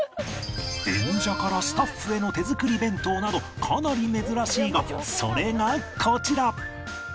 演者からスタッフへの手作り弁当などかなり珍しいがそれがこちら